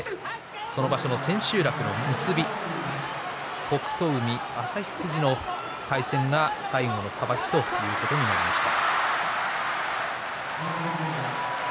その場所の千秋楽の結び北勝海、旭富士の対戦が最後のさばきとなりました。